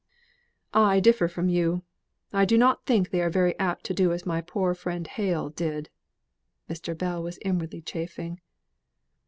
"I differ from you. I do not think they are very apt to do as my poor friend Hale did." Mr. Bell was inwardly chafing.